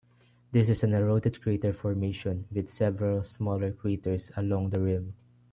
This is an eroded crater formation with several smaller craters along the rim.